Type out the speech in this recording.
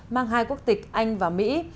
mang hai quốc tịch anh và mỹ